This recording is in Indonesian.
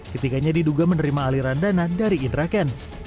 ketiganya diduga menerima aliran dana dari indra kents